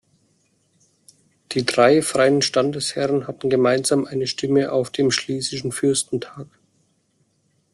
Die drei freien Standesherren hatten gemeinsam eine Stimme auf dem schlesischen Fürstentag.